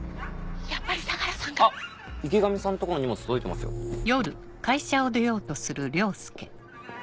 やっぱり相良さんが？あっ池上さんのとこの荷物届いてますよはい。